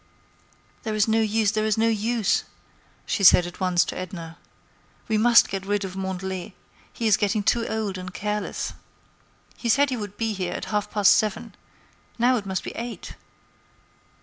"There is no use, there is no use," she said at once to Edna. "We must get rid of Mandelet; he is getting too old and careless. He said he would be here at half past seven; now it must be eight.